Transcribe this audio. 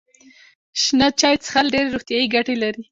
شنه چای څښل ډیرې روغتیايي ګټې لري.